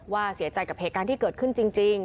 ว่าเสียใจกับเหตุงานที่เกิดขึ้นจริง